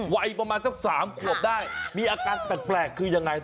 วัยประมาณสัก๓ขวบได้มีอาการแปลกคือยังไง